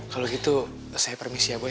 kalau gitu saya permisi ya boy